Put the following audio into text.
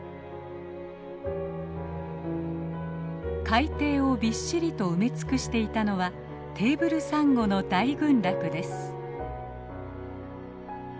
海底をびっしりと埋め尽くしていたのはテーブルサンゴの大群落です。